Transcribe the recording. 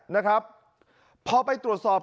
นะครับพอไปตรวจสอบ